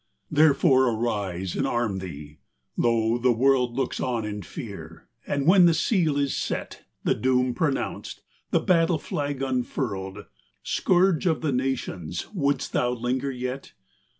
XVI. Therefore arise and arm thee ! lo, the world Looks on in fear ! and when the seal is set. The doom pronounced, the battle flag unfurled. Scourge of the nations, wouldest thou linger yet